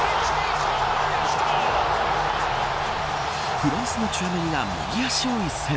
フランスのチュアメニが右足を一閃。